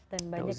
dan banyak ya